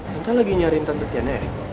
tante lagi nyariin tante tiana ya